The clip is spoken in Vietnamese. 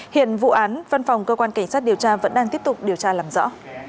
hiện vụ án văn phòng cơ quan cảnh sát điều tra vẫn đang tiếp tục điều tra làm rõ